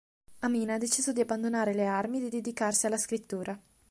Amina ha deciso di abbandonare le armi e di dedicarsi alla scrittura.